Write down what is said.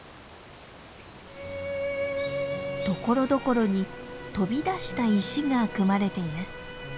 ところどころに飛び出した石が組まれています。